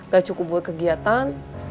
gak cukup buat kegiatan